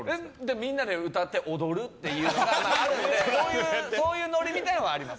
みんなで歌って踊るっていうのがあるのでそういうノリみたいなのあります。